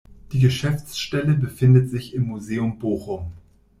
Die Geschäftsstelle befindet sich im Museum Bochum.